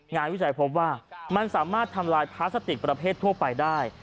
วิจัยพบว่ามันสามารถทำลายพลาสติกประเภททั่วไปได้